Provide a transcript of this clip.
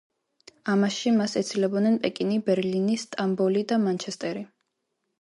ამაში მას ეცილებოდნენ პეკინი, ბერლინი, სტამბოლი და მანჩესტერი.